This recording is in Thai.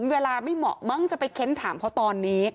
เวลาไม่เหมาะมั้งจะไปเค้นถามเขาตอนนี้